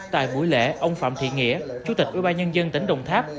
tại buổi lễ ông phạm thị nghĩa chủ tịch ủy ban nhân dân tp cao lãnh tỉnh đồng tháp